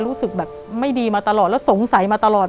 รู้สึกแบบไม่ดีมาตลอดแล้วสงสัยมาตลอด